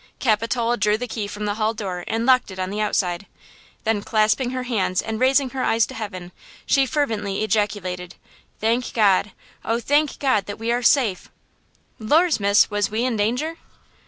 Capitola drew the key from the hall door and locked it on the outside. Then clasping her hands and raising her eyes to heaven, she fervently ejaculated: "Thank God–oh, thank God that we are safe!" "Lors, miss, was we in danger?"